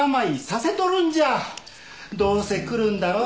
どうせ来るんだろ？